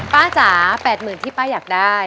ป้าจ๋าแปดหมื่นที่ป้าอยากได้